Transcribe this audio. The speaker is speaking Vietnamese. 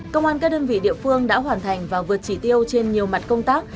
công an các đơn vị địa phương đã hoàn thành và vượt chỉ tiêu trên nhiều mặt công tác